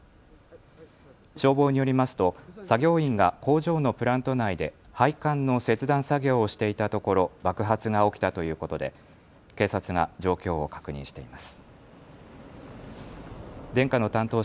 消防によりますと作業員が工場のプラント内で配管の切断作業をしていたところ、爆発が起きたということで警察が状況を確認しています。